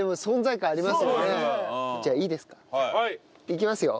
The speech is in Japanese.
いきますよ。